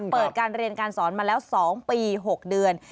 เปิดการเรียนการสอนมาแล้ว๒ปี๖เดือน